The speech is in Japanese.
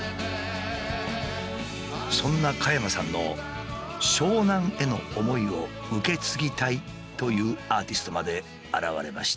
そんな加山さんの湘南への思いを受け継ぎたいというアーティストまで現れました。